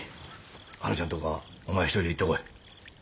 はなちゃんとこはお前一人で行ってこい。